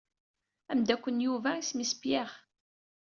Amdakel n Yuba isem-is Pierre.